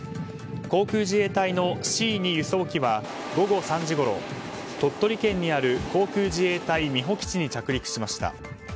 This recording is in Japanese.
航空自衛隊のＣ２輸送機は午後３時ごろ鳥取県にある航空自衛隊美保基地に着陸しました。